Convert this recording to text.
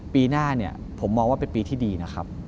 ปีหน้าเนี่ยผมมองว่าเป็นปีที่ดีนะครับ